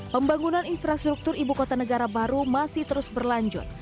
pembangunan infrastruktur ibu kota negara baru masih terus berlanjut